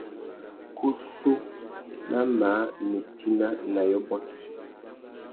Kussú nà măh nitina nà yôbôt.